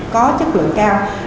có chất lượng cao